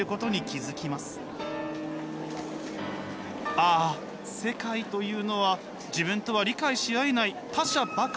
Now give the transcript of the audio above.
ああ世界というのは自分とは理解し合えない「他者」ばかりなんだ。